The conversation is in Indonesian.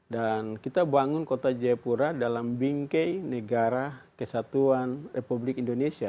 dan kita bangun kota jayapura dalam bingkei negara kesatuan republik indonesia